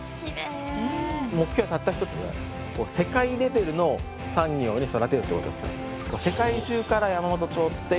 目標はたった一つで世界レベルの産業に育てるってことですよ。